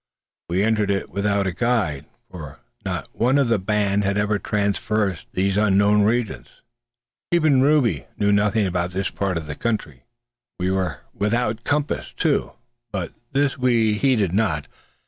We entered it without a guide, for not one of the band had ever traversed these unknown regions. Even Rube knew nothing about this part of the country. We were without compass, too, but this we heeded not.